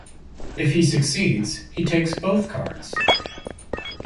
If he succeeds, he takes both cards.